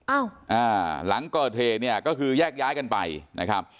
อ้าวอ่าหลังเกิดเนี้ยก็คือยากย้ายกันไปนะครับ